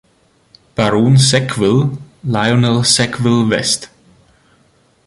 Baron Sackville, Lionel Sackville-West.